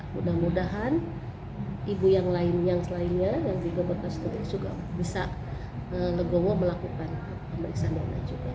mudah mudahan ibu yang lainnya yang juga bekas tugas juga bisa legowo melakukan pemeriksaan dana juga